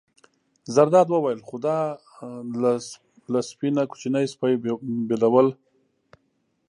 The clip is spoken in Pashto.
زرداد وویل: خو دا له سپۍ نه کوچنی سپی بېلول.